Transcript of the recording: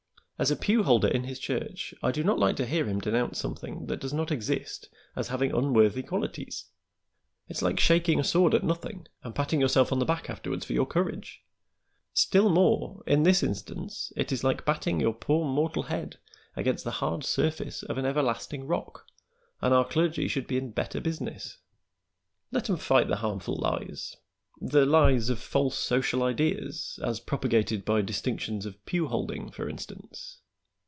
As a pew holder in his church I do not like to hear him denounce something that does not exist as having unworthy qualities. It's like shaking a sword at nothing and patting yourself on the back afterwards for your courage; still more in this instance is it like batting your poor mortal head against the hard surface of an everlasting rock, and our clergy should be in better business. "Let 'em fight the harmful lies the lies of false social ideas as propagated by distinctions of pew holding, for instance.